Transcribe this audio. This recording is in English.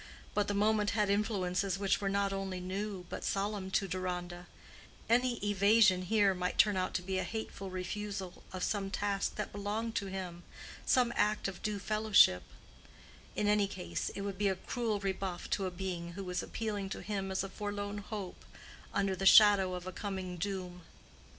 But the moment had influences which were not only new but solemn to Deronda; any evasion here might turn out to be a hateful refusal of some task that belonged to him, some act of due fellowship; in any case it would be a cruel rebuff to a being who was appealing to him as a forlorn hope under the shadow of a coming doom.